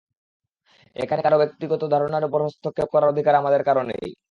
এখানে কারও ব্যক্তিগত ধারণার উপর হস্তক্ষেপ করার অধিকার আমাদের নেই।